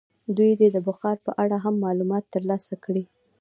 دوی دې د بخارا په اړه هم معلومات ترلاسه کړي.